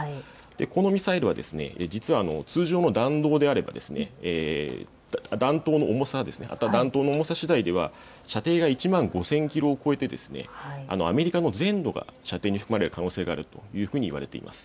このミサイルは実は通常の弾道であれば弾頭の重さしだいでは射程が１万５０００キロを超えてアメリカの全土が射程に含まれる可能性があるというふうにいわれています。